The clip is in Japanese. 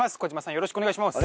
よろしくお願いします